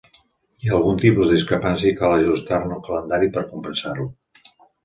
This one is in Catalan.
Hi ha algun tipus de discrepància i cal ajustar-ne el calendari per compensar-ho.